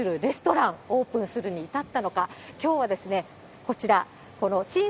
するレストラン、オープンするに至ったのか、きょうはこちら、このチン！